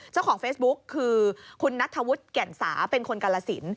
เจ้าของเฟซบุ๊กคือคุณนัทธวุฒิแก่นสาเป็นคนกาลสิน